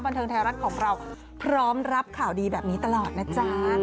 บันเทิงไทยรัฐของเราพร้อมรับข่าวดีแบบนี้ตลอดนะจ๊ะ